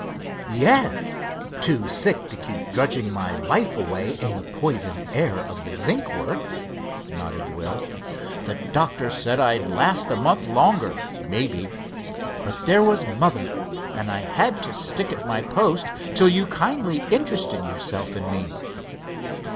"Yes, too sick to keep drudging my life away in the poison air of the zinc works," nodded Will. "The doctor said I'd last a month longer, maybe. But there was mother, and I had to stick at my post till you kindly interested yourself in me."